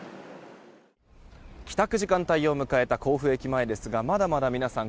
帰宅時間帯を迎えた甲府駅前ですがまだまだ皆さん